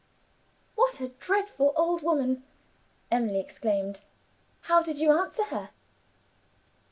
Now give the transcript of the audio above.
'" "What a dreadful old woman!" Emily exclaimed. "How did you answer her?"